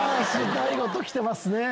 大悟と来てますね。